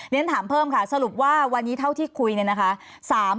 เรียนถามเพิ่มค่ะสรุปว่าวันนี้เท่าที่คุยเนี่ยนะคะ